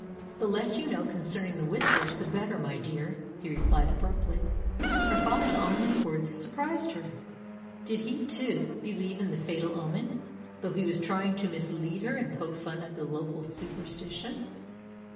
"The less you know concerning the Whispers the better, my dear," he replied abruptly. Her father's ominous words surprised her. Did he, too, believe in the fatal omen, though he was trying to mislead her and poke fun at the local superstition?